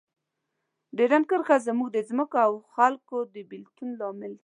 ډیورنډ کرښه زموږ د ځمکو او خلکو د بیلتون لامل ده.